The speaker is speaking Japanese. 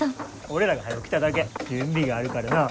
俺らがはよ来ただけ。準備があるからな。